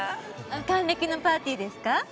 還暦のパーティーですか？